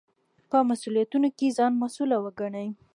په مسوولیتونو کې ځان مسوول وګڼئ.